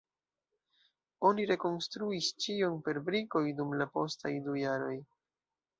Oni rekonstruis ĉion per brikoj dum la postaj du jaroj.